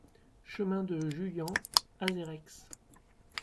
Chemin de Juillan, Azereix